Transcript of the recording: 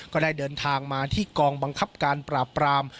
ก็ได้เดินทางมาที่กองบังคับการปราบปราม